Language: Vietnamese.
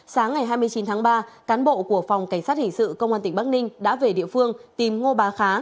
sáng ngày hai mươi chín tháng ba cán bộ của phòng cảnh sát hình sự công an tỉnh bắc ninh đã về địa phương tìm ngô bà khá